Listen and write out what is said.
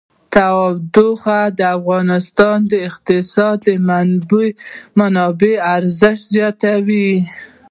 تودوخه د افغانستان د اقتصادي منابعو ارزښت زیاتوي.